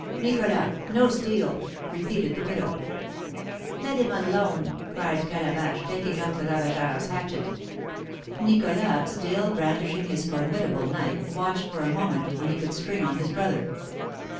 "Nicholas, no steel!" repeated the widow. "Let him alone!" cried Calabash, taking up the ravageur's hatchet. Nicholas, still brandishing his formidable knife, watched for a moment when he could spring on his brother.